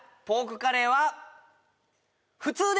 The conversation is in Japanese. ポークカレーは普通！